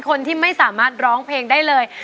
คนที่ไม่สามารถร้องเพลงได้เลย